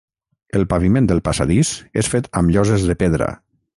El paviment del passadís és fet amb lloses de pedra.